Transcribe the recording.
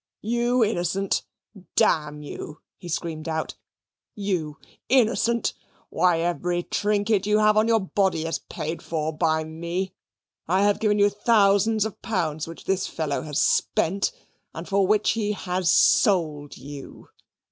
"You innocent! Damn you," he screamed out. "You innocent! Why every trinket you have on your body is paid for by me. I have given you thousands of pounds, which this fellow has spent and for which he has sold you.